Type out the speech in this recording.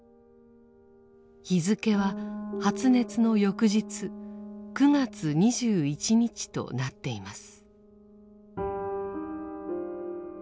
日付は発熱の翌日９月２１日となっています。